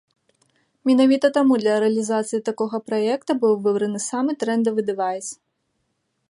Менавіта таму для рэалізацыі такога праекта быў выбраны самы трэндавы дэвайс.